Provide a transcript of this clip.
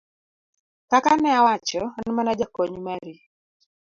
ka ka ne awacho, an mana jakony mari